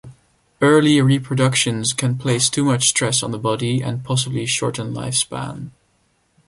Early reproduction can place too much stress on the body and possibly shorten lifespans.